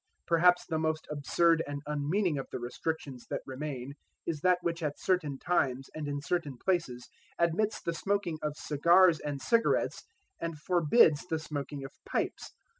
Perhaps the most absurd and unmeaning of the restrictions that remain, is that which at certain times and in certain places admits the smoking of cigars and cigarettes and forbids the smoking of pipes.